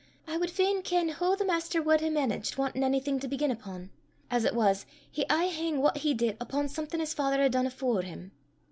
I wad fain ken hoo the Maister wad hae managed wantin' onything to begin upo'. As it was, he aye hang what he did upo' something his Father had dune afore him."